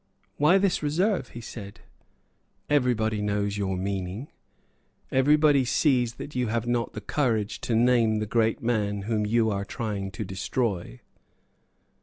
"Why this reserve?" he said, "Everybody knows your meaning. Everybody sees that you have not the courage to name the great man whom you are trying to destroy."